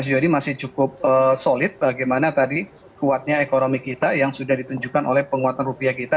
jadi masih cukup solid bagaimana tadi kuatnya ekonomi kita yang sudah ditunjukkan oleh penguatan rupiah kita